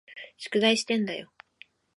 宿題してんだよ。